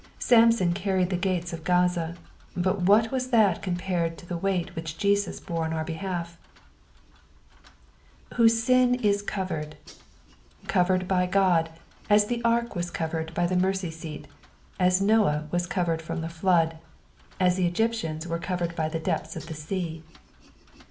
Samson carried the gates of Qaza, but what was that to the weight which Jesus bore on our behalf t ''Whose tin is eovered.^^ Covered by God, as the ark was covered by the mercj aeat, as Nosh was covered from the flood, as the Egyptians were covered by 90 EXPosmoNa of the psalms. the depths of the sea.